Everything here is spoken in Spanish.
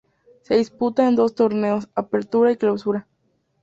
Se disputa en dos torneos: Apertura y Clausura.